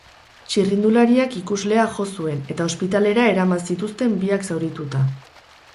Txirrindulariak ikuslea jo zuen, eta ospitalera eraman zituzten biak, zaurituta.